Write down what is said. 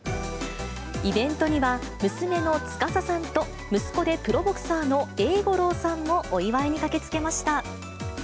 イベントには、娘のつかささんと、息子でプロボクサーの英五郎さんもお祝いに駆けつけました。